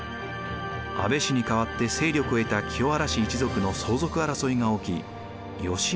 安倍氏に代わって勢力を得た清原氏一族の相続争いが起き義家が介入。